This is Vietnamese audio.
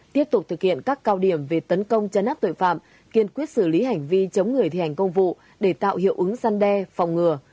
tiếp tục thực hiện các cao điểm về tấn công chấn áp tội phạm kiên quyết xử lý hành vi chống người thi hành công vụ để tạo hiệu ứng săn đe phòng ngừa